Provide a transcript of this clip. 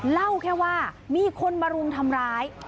เล่าแค่ว่ามีคนมารุมทำร้าย